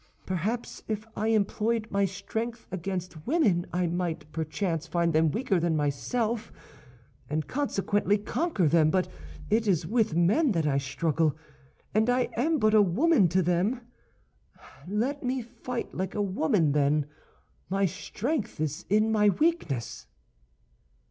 Perhaps if I employed my strength against women I might perchance find them weaker than myself, and consequently conquer them; but it is with men that I struggle, and I am but a woman to them. Let me fight like a woman, then; my strength is in my weakness."